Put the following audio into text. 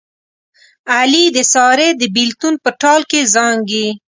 علي د سارې د بلېتون په ټال کې زانګي.